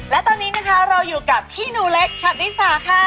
และตอนนี้นะคะเราอยู่กับพี่หนูเล็กชัดนิสาค่ะ